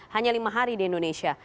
hanya lima hari di indonesia